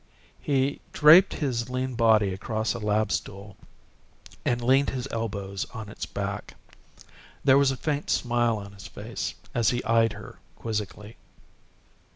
He draped his lean body across a lab stool and leaned his elbows on its back. There was a faint smile on his face as he eyed her quizzically.